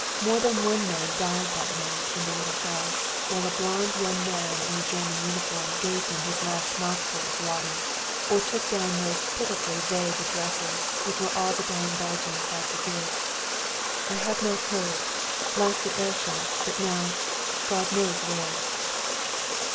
More than one man died that night in the little house, while a blond young man in a German uniform gave him a last mouthful of water or took down those pitifully vague addresses which were all the dying Belgians had to give. "I have not heard last at Aarschot, but now God knows where."